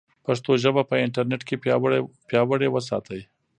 پښتو ژبه په انټرنیټ کې پیاوړې وساتئ.